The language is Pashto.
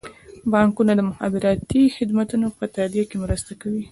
بانکونه د مخابراتي خدمتونو په تادیه کې مرسته کوي.